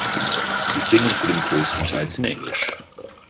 Sie singen zudem größtenteils in Englisch.